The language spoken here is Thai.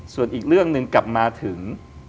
ส่วนอีกเรื่องหนึ่งกลับมาถึง